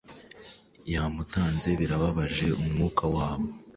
yamutanze birababaje umwuka wabo